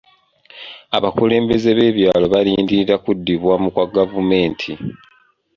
Abakulembeze b'ebyalo balindirira kuddibwamu kwa gavumenti.